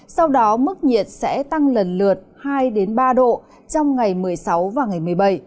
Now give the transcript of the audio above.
sau đó mức nhiệt sẽ tăng lần lượt hai ba độ trong ngày một mươi sáu và ngày một mươi bảy